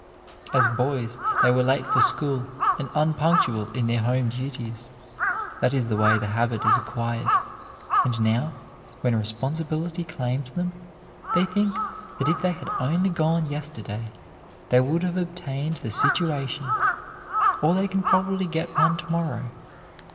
As boys, they were late for school, and unpunctual in their home duties. That is the way the habit is acquired; and now, when responsibility claims them, they think that if they had only gone yesterday they would have obtained the situation, or they can probably get one to morrow.